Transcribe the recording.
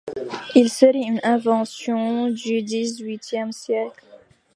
Il serait une invention du dix-huitième siècle.